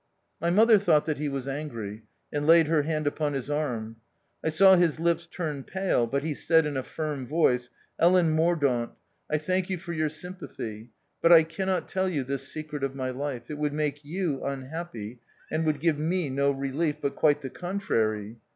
My mother thought that he was angry, and laid her hand upon his arm. I saw his lips turn pale, but he said in a firm voice, " Ellen Mordaunt, I thank you for your sympathy, but I cannot tell you this secret of my life ; it would make you unhappy, and would give me no re lief, but quite the contrary."